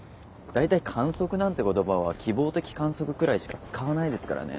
大体「観測」なんて言葉は「希望的観測」くらいしか使わないですからね。